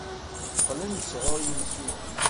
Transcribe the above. Qqlen-d sɣur yimsujji.